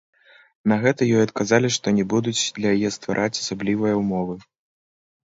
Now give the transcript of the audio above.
На гэта ёй адказалі, што не будуць для яе ствараць асаблівыя ўмовы.